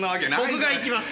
僕が行きます！